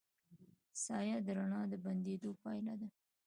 سایه د رڼا د بندېدو پایله ده.